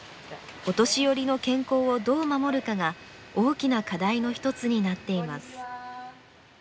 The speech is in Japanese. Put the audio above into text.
お年寄りの健康をどう守るかが大きな課題の一つになっています。